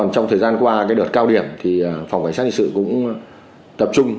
trong thời gian qua đợt cao điểm phòng cảnh sát hình sự cũng tập trung